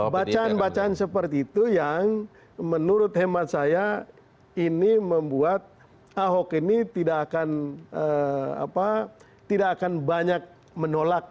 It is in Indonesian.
bacaan bacaan seperti itu yang menurut hemat saya ini membuat ahok ini tidak akan banyak menolak